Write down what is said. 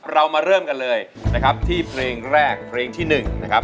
เรามาเริ่มกันเลยนะครับที่เพลงแรกเพลงที่๑นะครับ